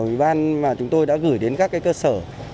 ủy ban mà chúng tôi đã gửi đến các cơ sở